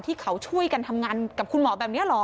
ที่เขาช่วยกันทำงานกับคุณหมอแบบนี้เหรอ